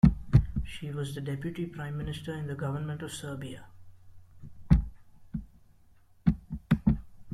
She was the Deputy Prime Minister in the Government of Serbia.